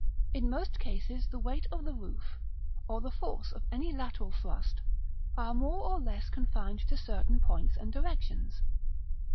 In most cases the weight of the roof, or the force of any lateral thrust, are more or less confined to certain points and directions.